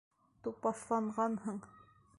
Тупаҫланғанһың.